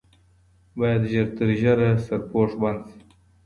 باید ژر تر ژره سرپوش بند شي.